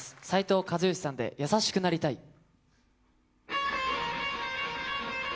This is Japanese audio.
斉藤和義さんで優しくなりたい。